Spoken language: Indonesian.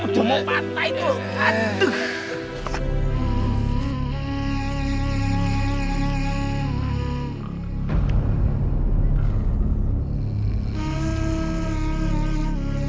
aduh udah mau patah itu